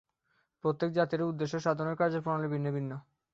প্রত্যেক জাতিরই উদ্দেশ্য-সাধনের কার্যপ্রণালী ভিন্ন ভিন্ন।